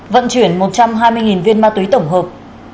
vận chuyển một trăm hai mươi viên ma túy tổng hợp